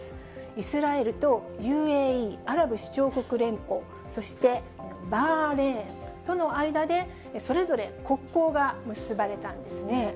イスラエルとＵＡＥ・アラブ首長国連邦、そして、バーレーンとの間でそれぞれ国交が結ばれたんですね。